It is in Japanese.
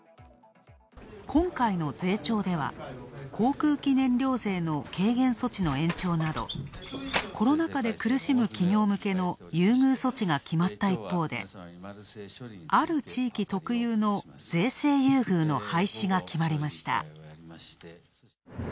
今回の税調では、航空機燃料税の軽減措置の延長などコロナ禍で苦しむ企業向けの優遇措置が決まった一方である地域特有の税制優遇の廃止が決まりました。